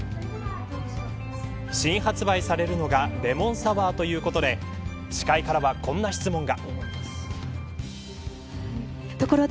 新発売されるのがレモンサワーということで司会からは、こんな質問が。